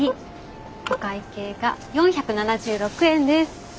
お会計が４７６円です。